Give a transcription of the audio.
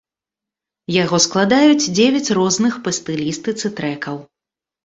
Яго складаюць дзевяць розных па стылістыцы трэкаў.